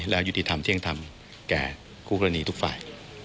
และยุติธรรมเที่ยงธรรมแก่คู่กรณีทุกฝ่าย